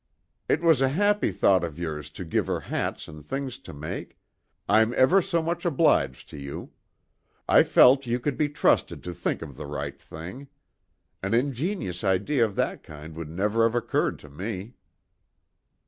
"It was a happy thought of yours to give her hats and things to make; I'm ever so much obliged to you. I felt you could be trusted to think of the right thing. An ingenious idea of that kind would never have occurred to me."